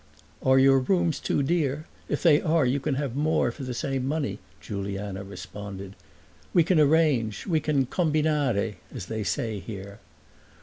"Are your rooms too dear? If they are you can have more for the same money," Juliana responded. "We can arrange, we can combinare, as they say here."